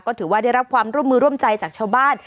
ก็ถือว่าได้รับความร่วมมือร่วมใจจากชาวบ้าน